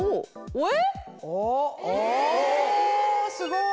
すごい。